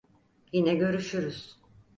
Yine görüşürüz.